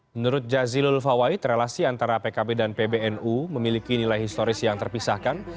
menurut jazilul fawait relasi antara pkb dan pbnu memiliki nilai historis yang terpisahkan